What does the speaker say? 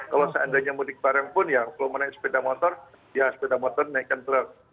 kalau seandainya mau dikbareng pun ya kalau mau naik sepeda motor ya sepeda motor naikkan truk